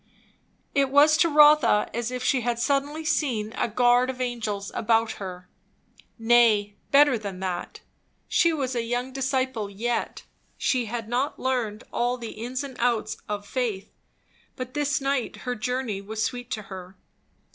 It was to Rotha as if she had suddenly seen a guard of angels about her. Nay, better than that. She was a young disciple yet, she had not learned all the ins and outs of faith; but this night her journey was sweet to her.